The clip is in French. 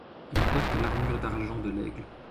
Elle porte l’armure d'argent de l’Aigle.